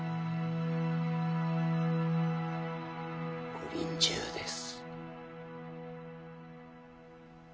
ご臨終です。